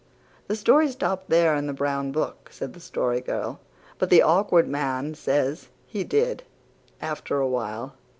"The story stopped there in the brown book," said the Story Girl, "but the Awkward Man says he did, after awhile."